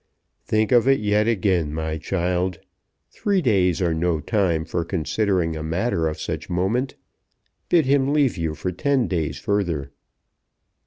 "Think of it yet again, my child. Three days are no time for considering a matter of such moment. Bid him leave you for ten days further."